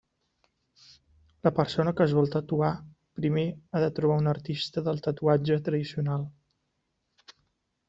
La persona que es vol tatuar, primer ha de trobar un artista del tatuatge tradicional.